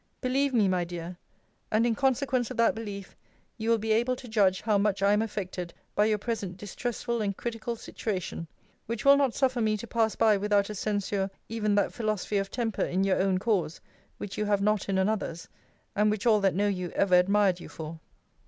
Believe me, my dear: and, in consequence of that belief, you will be able to judge how much I am affected by your present distressful and critical situation; which will not suffer me to pass by without a censure even that philosophy of temper in your own cause, which you have not in another's, and which all that know you ever admired you for.